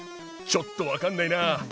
ちょっと分かんないなぁ。